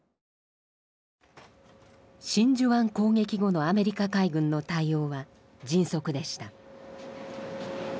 真珠湾攻撃後のアメリカ海軍の対応は迅速でした。